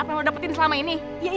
eh ada orang ya